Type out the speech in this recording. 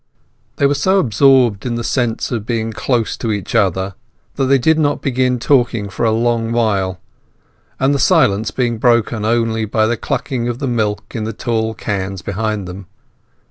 They were so absorbed in the sense of being close to each other that they did not begin talking for a long while, the silence being broken only by the clucking of the milk in the tall cans behind them.